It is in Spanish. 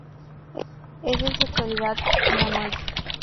Es de sexualidad monoica.